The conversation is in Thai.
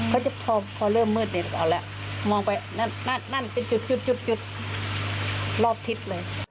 ก็จะพอเริ่มมืดเด็ดเดี๋ยวเราแล้วมองไปนั่นจุ๊ดรอบทิศเลย